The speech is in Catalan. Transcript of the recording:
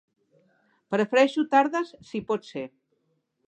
Prefereixo tardes, si pot ser.